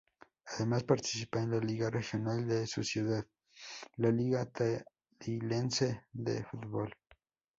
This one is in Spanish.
Además, participa en la liga regional de su ciudad, la Liga Tandilense de fútbol.